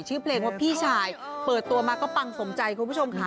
ชื่อเพลงว่าพี่ชายเปิดตัวมาก็ปังสมใจคุณผู้ชมค่ะ